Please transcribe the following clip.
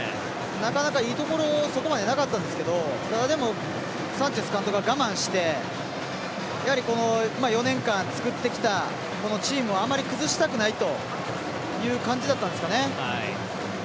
なかなかいいところそこまでなかったんですけどただ、サンチェス監督は我慢して４年間作ってきたチームをあまり崩したくないという感じだったんですかね。